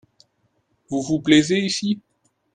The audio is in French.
Vous vous plaisez ici ?